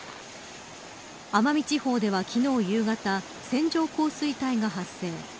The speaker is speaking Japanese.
奄美地方では昨日夕方線状降水帯が発生。